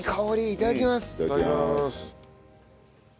いただきます。